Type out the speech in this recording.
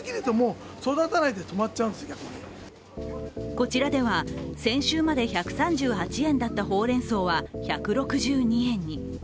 こちらでは先週まで１３８円だったほうれんそうは１６２円に。